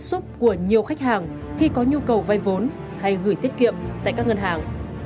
đây là những bước xúc của nhiều khách hàng khi có nhu cầu vay vốn hay gửi tiết kiệm tại các ngân hàng